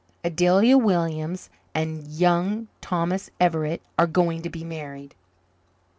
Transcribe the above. Adelia Williams and Young Thomas Everett are going to be married."